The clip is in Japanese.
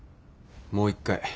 もう一回。